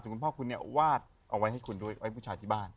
ถึงผ้าคุณเนี่ยวาดเอาไว้ให้คุณโดยไว้ผู้ชาวที่บ้าน